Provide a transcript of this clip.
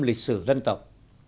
lịch sử dân tộc